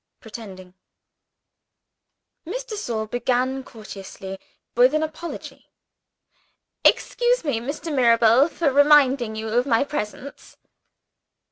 PRETENDING. Miss de Sor began cautiously with an apology. "Excuse me, Mr. Mirabel, for reminding you of my presence."